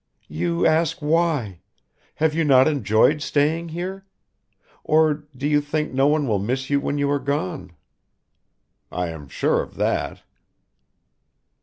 "You ask why. Have you not enjoyed staying here? Or do you think no one will miss you when you are gone?" "I am sure of that."